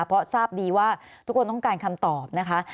เพราะทราบดีว่าทุกคนต้องการคำตอบนะคะ